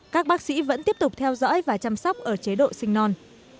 các bác sĩ vẫn tiếp tục theo dõi và chăm sóc ở chế độ sinh non